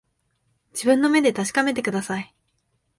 自分の目で確かめてください